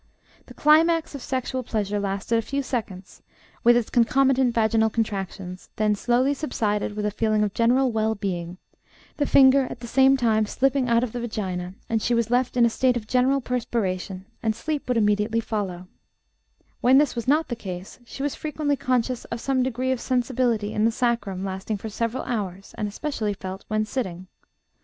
The climax of sexual pleasure lasted a few seconds, with its concomitant vaginal contractions, then slowly subsided with a feeling of general well being, the finger at the same time slipping out of the vagina, and she was left in a state of general perspiration, and sleep would immediately follow; when this was not the case, she was frequently conscious of some degree of sensibility in the sacrum, lasting for several hours, and especially felt when sitting.